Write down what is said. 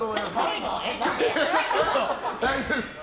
大丈夫です。